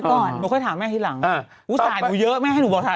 คือจะบอกว่าสกิทเกมนี่คือเรื่องว่า